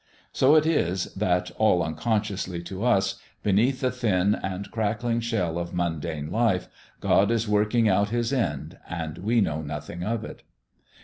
So it is that, all unconsciously to us, beneath the thin and crackling shell of mundane life, God is working out His end and we know nothing of it.